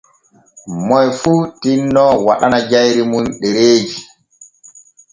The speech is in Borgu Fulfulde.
Moy fu tinno waɗana jayri mun ɗereeji.